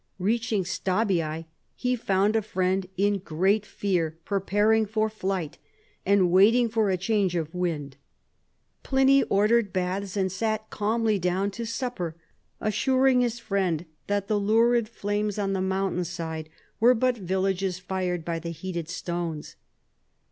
Reaching Stabiae, he found a friend in great fear, preparing for flight, and waiting for a change of wind. Pliny ordered baths, and sat calmly down to supper, assuring his friend that the lurid flames on the mountain sides were but villages fired by the heated stones.